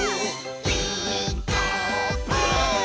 「ピーカーブ！」